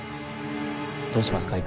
どうしますか？